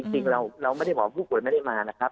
จริงเราไม่ได้บอกผู้ป่วยไม่ได้มานะครับ